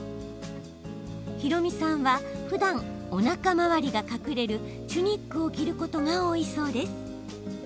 ひろみさんは、ふだんおなか回りが隠れるチュニックを着ることが多いそうです。